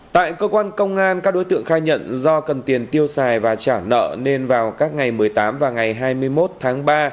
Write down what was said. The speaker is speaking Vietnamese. tại cơ quan công an các đối tượng khai nhận do cần tiền tiêu xài và trả nợ nên vào các ngày một mươi tám và ngày hai mươi một tháng ba